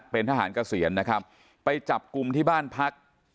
เป็นทหารเกษียณนะครับไปจับกลุ่มที่บ้านพัก